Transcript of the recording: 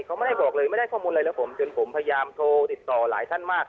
เขาไม่ได้บอกเลยไม่ได้ข้อมูลอะไรแล้วผมจนผมพยายามโทรติดต่อหลายท่านมาก